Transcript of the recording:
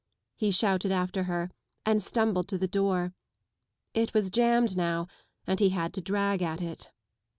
" he shouted after her and stumbled to the door. It was jammed now and he had to drag at it.